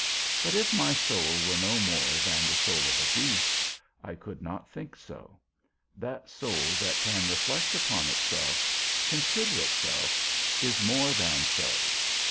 But if my soul were no more than the soul of a beast, I could not think so; that soul that can reflect upon itself, consider itself, is more than so.